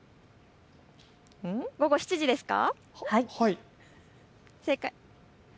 午後７時ですか。